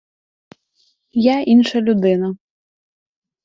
Я інша людина.